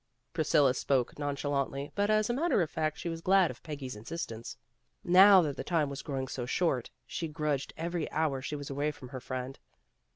Priscilla spoke nonchalantly, but as a matter of fact, she was glad of Peggy's insistence. A SURPRISE 289 Now that the time was growing so short, she grudged every hour she was away from her friend.